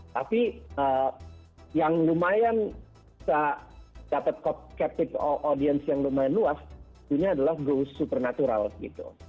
tapi yang lumayan dapet captive audience yang lumayan luas ini adalah ghost supernatural gitu